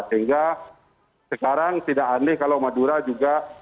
sehingga sekarang tidak aneh kalau madura juga